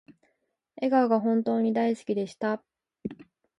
笑顔が本当に大好きでした